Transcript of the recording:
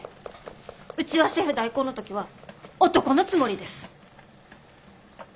うちはシェフ代行の時は男のつもりです！